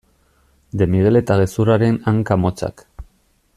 De Miguel eta gezurraren hanka motzak.